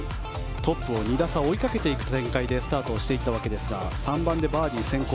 トップを２打差追いかけていく展開でスタートしましたが３番でバーディー先行。